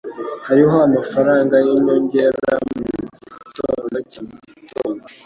Hariho amafaranga yinyongera mugitondo cya mugitondo.